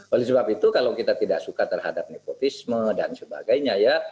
oleh sebab itu kalau kita tidak suka terhadap nepotisme dan sebagainya ya